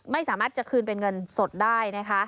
ไม่สามารถจะคืนเป็นเงินสดได้นะคะ